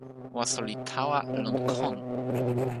waso li tawa lon kon.